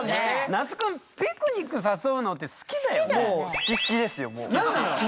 那須くんピクニック誘うのって好きだよね？